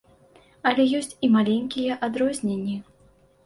Але ёсць і маленькія адрозненні.